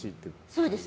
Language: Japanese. そうです。